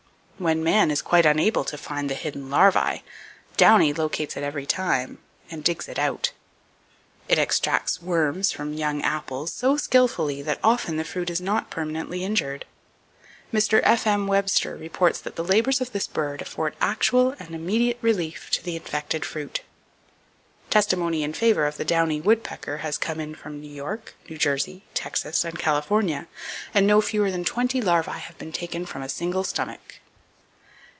When man is quite unable to find the hidden larvae, Downy locates it every time, and digs it out. It extracts worms from young apples so skillfully that often the fruit is not permanently injured. Mr. F.M. Webster reports that the labors of this bird "afford actual and immediate relief to the infected fruit." Testimony in favor of the downy woodpecker has come from New York, New Jersey, Texas and California, "and no fewer than twenty larvae have been taken from a single stomach."